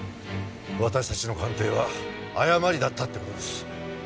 私たちの鑑定は誤りだったって事です。